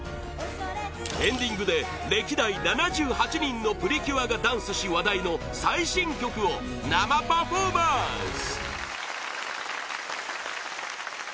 エンディングで歴代７８人のプリキュアがダンスし、話題の最新曲を生パフォーマンス！